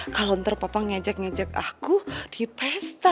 kalau ntar papa ngajak ngajak aku di pesta